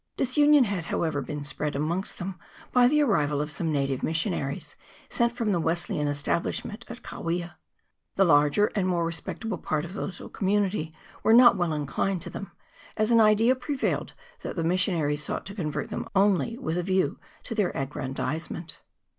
Disunion had, however, been spread amongst them by the arrival of some native mission aries, sent from the Wesleyan establishment at Kawia. The larger and more respectable part of the little community were not well inclined to them, as an idea prevailed that the missionaries sought to convert them only with a view to their own ag grandizement.